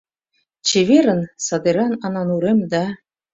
Чеверын, садеран Ананурем да.